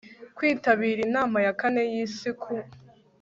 kwitabira inama ya kane y'isi ku